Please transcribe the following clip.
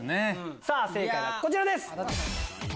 正解はこちらです！